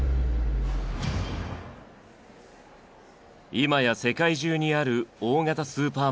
今や世界中にある大型スーパーマーケット。